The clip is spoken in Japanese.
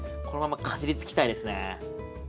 このままかじりつきたいですね。